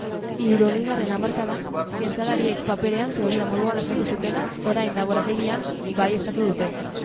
Hirurogeigarren hamarkadan zientzialariek paperean teoria moduan azaldu zutena, orain laborategian baieztatu dute.